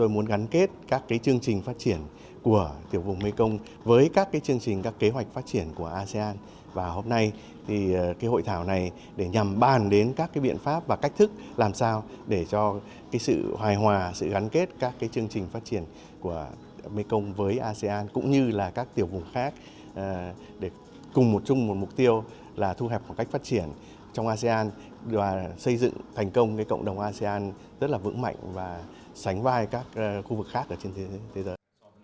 một mục tiêu là thu hẹp khoảng cách phát triển trong asean và xây dựng thành công cộng đồng asean rất vững mạnh và sánh vai các khu vực khác trên thế giới